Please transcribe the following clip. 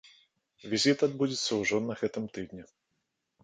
Візіт адбудзецца ўжо на гэтым тыдні.